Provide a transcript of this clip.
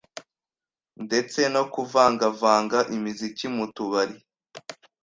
ndetse no kuvangavanga imiziki mu tubari